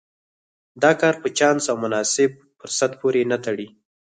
دا کار په چانس او مناسب فرصت پورې نه تړي.